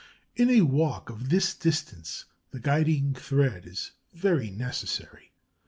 In a walk of this distance, the guiding thread is very necessary.